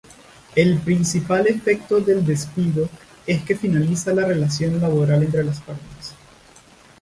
El principal efecto del despido es que finaliza la relación laboral entre las partes.